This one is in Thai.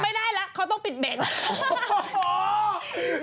ไม่ได้ล่ะเขาต้องปิดแบงก์